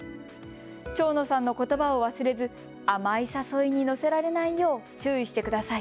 蝶野さんのことばを忘れず、甘い誘いに乗せられないよう注意してください。